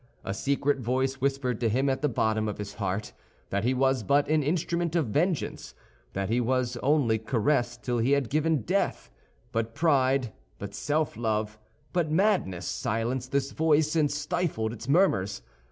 A secret voice whispered to him, at the bottom of his heart, that he was but an instrument of vengeance, that he was only caressed till he had given death; but pride, but self love, but madness silenced this voice and stifled its murmurs.